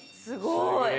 すごい！